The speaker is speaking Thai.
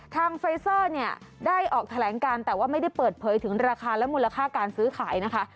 ไฟเซอร์เนี่ยได้ออกแถลงการแต่ว่าไม่ได้เปิดเผยถึงราคาและมูลค่าการซื้อขายนะคะ